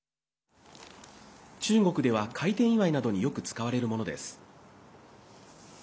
中国では開店祝などによく使われるものです。